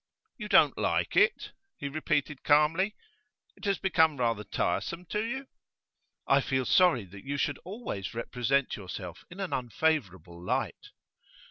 'You don't like it?' he repeated calmly. 'It has become rather tiresome to you?' 'I feel sorry that you should always represent yourself in an unfavourable light.